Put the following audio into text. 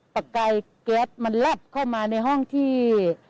ประกายแก๊สมันแลบเข้ามาในห้องที่